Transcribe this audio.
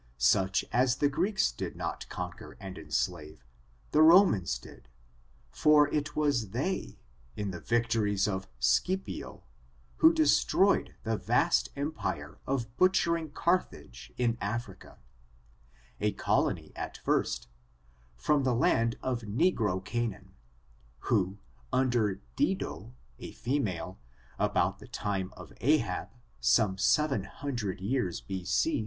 Such as tlie Greeks did not conquer and enslave, the Romans did; for it was they, in the victories of Scip ioj who destroyed the vast empire of butchering Carthage in Africa, a colony at first, from the land of negro Canaan, who, under Dido, a female, about the time of Ahab, some seven hundred years B.